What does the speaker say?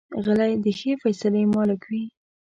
غلی، د ښې فیصلې مالک وي.